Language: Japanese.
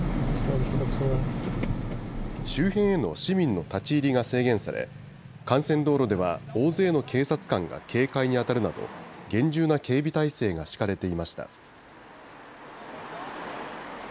周辺への市民の立ち入りが制限され、幹線道路では大勢の警察官が警戒に当たるなど、厳重な警備態勢が敷かれていました。